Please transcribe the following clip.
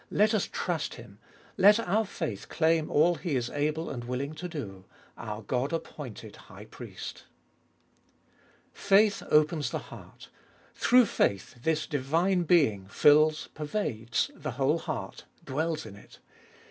Let us trust Him. Let our faith claim all He is able and willing to do— our God appointed High Priest. 3. Faith opens the heart— through faith this divine Being fills, pervades, the whole heart, dwells in it.